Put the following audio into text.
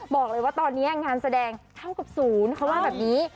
บอกเลยว่าตอนนี้งานแสดงเท่ากับศูนย์เขาว่าแบบนี้